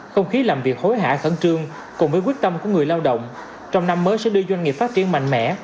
không khí làm việc hối hả khẩn trương cùng với quyết tâm của người lao động trong năm mới sẽ đưa doanh nghiệp phát triển mạnh mẽ